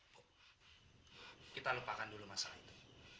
bu kita lupakan dulu masalah itu